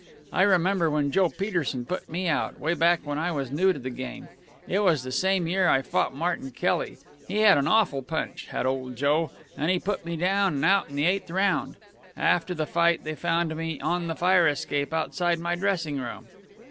I remember when Joe Peterson put me out, way back when I was new to the game it was the same year I fought Martin Kelly. He had an awful punch, had old Joe, and he put me down and out in the eighth round. After the fight they found me on the fire escape outside my dressing room.